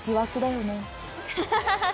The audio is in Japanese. ハハハハ！